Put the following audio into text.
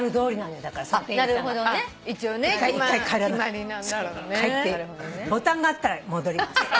一回帰ってボタンがあったら戻ります。